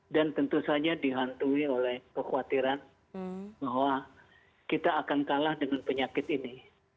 dan tentu saja dihantui oleh kekhawatiran bahwa kita akan kalah dengan penyakit ini